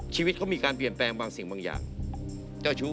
ชีวิตเขามีการเปลี่ยนแปลงบางสิ่งบางอย่างเจ้าชู้